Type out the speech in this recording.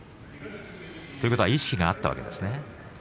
ということは意識があったわけですね。